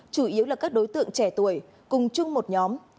chủ yếu là các đối tượng trẻ tuổi cùng chung một nhóm